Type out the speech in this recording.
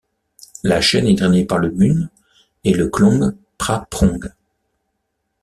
La chaîne est drainée par le Mun et le Klong Praprong.